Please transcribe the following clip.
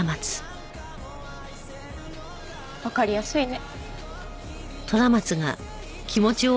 わかりやすいね。